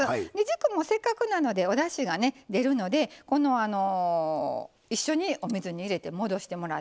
軸もせっかくなのでおだしがね出るので一緒にお水に入れて戻してもらっていいです。